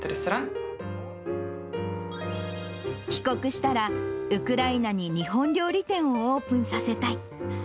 帰国したら、ウクライナに日本料理店をオープンさせたい。